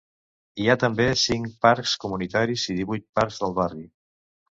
Hi ha també cinc parcs comunitaris i divuit parcs del barri.